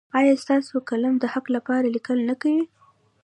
ایا ستاسو قلم د حق لپاره لیکل نه کوي؟